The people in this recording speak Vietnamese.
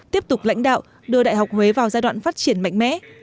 tiếp tục lãnh đạo đưa đại học huế vào giai đoạn phát triển mạnh mẽ